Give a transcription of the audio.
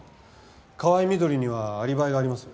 河合みどりにはアリバイがあります。